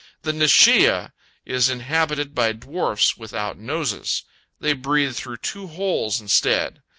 The Neshiah is inhabited by dwarfs without noses; they breathe through two holes instead.